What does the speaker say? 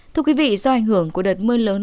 thưa quý vị do ảnh hưởng của đợt mưa lớn